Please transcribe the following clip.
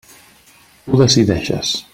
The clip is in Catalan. Tu decideixes.